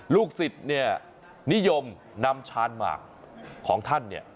ลูกศิษย์เนี่ยนิยมนำชานหมากของท่านเนี่ย